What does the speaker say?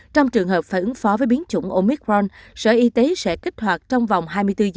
trong trường hợp phải ứng phó với biến chủng omicron sở y tế sẽ kích hoạt trong vòng hai mươi bốn h